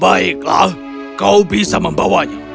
baiklah kau bisa membawanya